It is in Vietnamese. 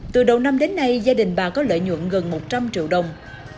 từ đầu năm đến nay gia đình bà có lợi nhuận gần một trăm linh triệu đồng